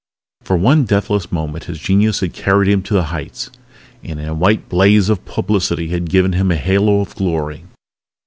For one deathless moment his genius had carried him to the heights, and a white blaze of publicity had given him a halo of glory.